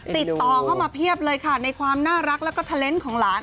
ติดต่อเข้ามาเพียบเลยค่ะในความน่ารักแล้วก็เทลนส์ของหลาน